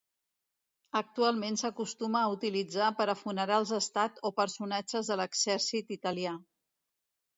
Actualment s'acostuma a utilitzar per a funerals d'estat o personatges de l'exèrcit italià.